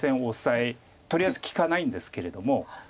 とりあえず利かないんですけれども。